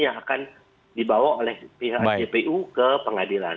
yang akan dibawa oleh pihak jpu ke pengadilan